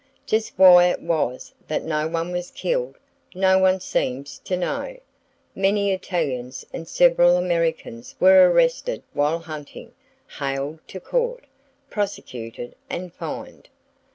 Just why it was that no one was killed, no one seems to know. Many Italians and several Americans were arrested while hunting, haled to court, prosecuted and fined.